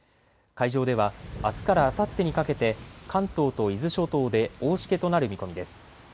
海上では、あすからあさってにかけて関東と伊豆諸島で大しけとなる見込みです。